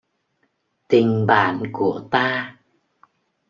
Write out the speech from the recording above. Tình bạn của ta